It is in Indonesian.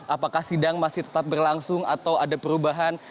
apakah sidang masih tetap berlangsung atau ada perubahan